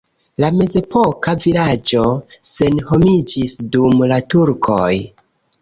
La mezepoka vilaĝo senhomiĝis dum la turkoj.